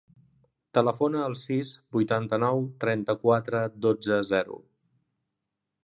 Telefona al sis, vuitanta-nou, trenta-quatre, dotze, zero.